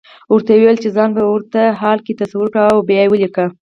ورته وويل چې ځان په ورته حال کې تصور کړه او بيا وليکه.